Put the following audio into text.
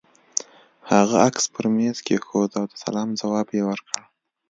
هغه عکس پر مېز کېښود او د سلام ځواب يې ورکړ.